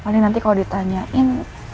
paling nanti kalau ditanyain